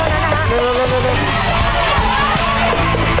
เอาเร็วเร็วเร็วเร็วเร็ว